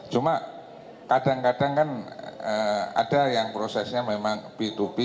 cuma kadang kadang kan ada yang prosesnya memang b dua b